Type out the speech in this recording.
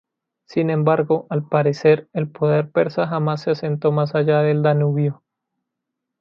Sin embargo, al parecer, el poder persa jamás se acento más allá del Danubio.